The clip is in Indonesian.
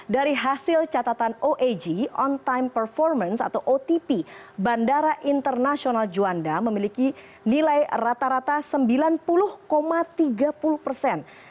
dari hasil catatan oag on time performance atau otp bandara internasional juanda memiliki nilai rata rata sembilan puluh tiga puluh persen